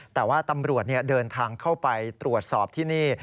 แต่ว่าตำรวจเดินทางเข้าไปตรวจสอบที่นี่